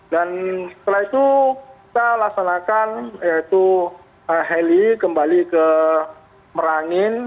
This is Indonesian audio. dan setelah itu kita laksanakan yaitu heli kembali ke merangin